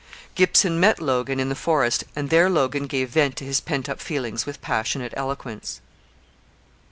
Gibson met Logan in the forest, and there Logan gave vent to his pent up feelings with passionate eloquence.